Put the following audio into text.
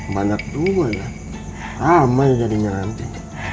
banyak dua ya ramai jadi ngantin